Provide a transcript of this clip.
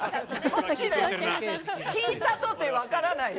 聞いたところで分からないよ。